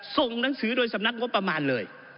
ส่งหนังสือโดยสำนักงบประมาณเลย